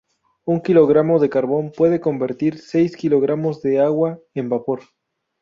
Un kilogramo de carbón puede convertir seis kilogramos de agua en vapor.